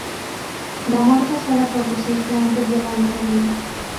La muerte suele producirse antes del año de vida.